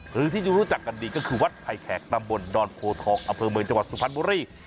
หรือที่ทุกคนรู้จักกันดีก็คือวัดไพรแครกตำบลดอนโคทอกอเฟอร์เมย์จังหวัดสุภัณฑ์บุรี